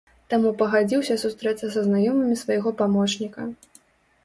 Таму пагадзіўся сустрэцца са знаёмымі свайго памочніка.